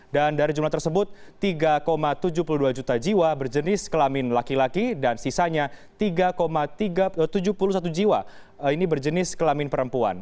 dan dari jumlah tersebut tiga tujuh puluh dua juta jiwa berjenis kelamin laki laki dan sisanya tiga tujuh puluh satu jiwa berjenis kelamin perempuan